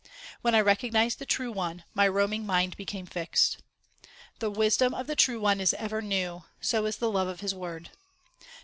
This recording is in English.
When I recognized the True One, my roaming mind became fixed. The wisdom of the True One is ever new, so is the love of His Word.